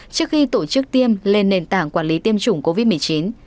trước khi tổ chức tiêm lên nền tảng quản lý tiêm chủng covid một mươi chín